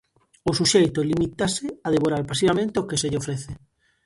O suxeito limítase a devorar pasivamente o que se lle ofrece.